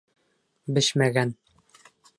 Бешмәгән.